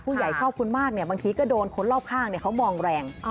ชอบคุณมากบางทีก็โดนคนรอบข้างเขามองแรง